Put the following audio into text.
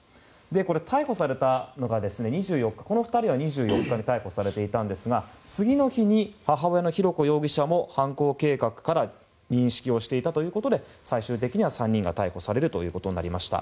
これ、逮捕されたのがこの２人は２４日に逮捕されていたんですが次の日に、母親の浩子容疑者も犯行計画から認識をしていたということで最終的には３人が逮捕されるということになりました。